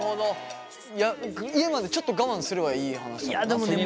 家までちょっと我慢すればいい話だもんな。